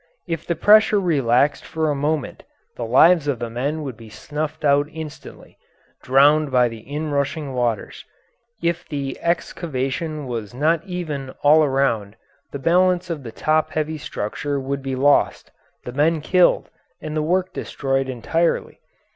If the pressure relaxed for a moment the lives of the men would be snuffed out instantly drowned by the inrushing waters; if the excavation was not even all around, the balance of the top heavy structure would be lost, the men killed, and the work destroyed entirely.